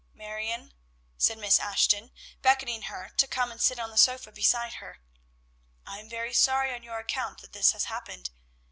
"Marion," said Miss Ashton, beckoning to her to come and sit on the sofa beside her, "I am very sorry on your account that this has happened.